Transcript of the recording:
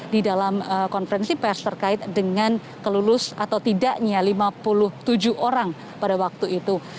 di dalam konferensi pers terkait dengan kelulus atau tidaknya lima puluh tujuh orang pada waktu itu